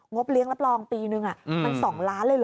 เลี้ยงรับรองปีนึงมัน๒ล้านเลยเหรอ